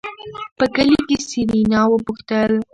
په کې له سېرېنا وپوښتل.